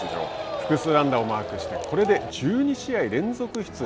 複数安打をマークしてこれで１２試合連続出塁。